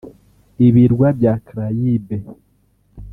Ibirwa bya Caraïbes